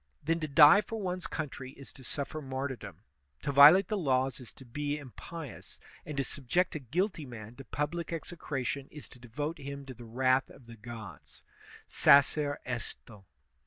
Then to die for one's country is to suflEer martyr dom, to violate the laws is to be impious, and to subject a guilty man to public execration is to devote him to the wrath of the gods: Sacer esto.